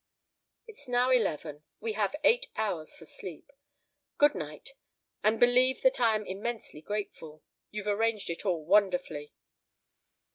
"It's now eleven. We have eight hours for sleep. Good night, and believe that I am immensely grateful. You've arranged it all wonderfully."